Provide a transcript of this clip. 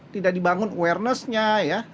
tidak dibangun awarenessnya ya